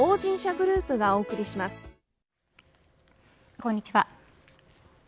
こんにちは。